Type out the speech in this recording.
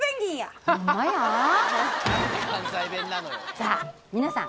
さぁ皆さん